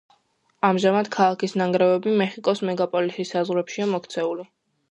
ამჟამად ქალაქის ნანგრევები მეხიკოს მეგაპოლისის საზღვრებშია მოქცეული.